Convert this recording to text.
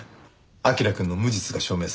彬くんの無実が証明されて。